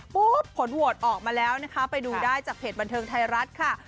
ผลโหวตออกมาแล้วนะคะไปดูได้จากเพจบันเทิงไทยรัฐค่ะ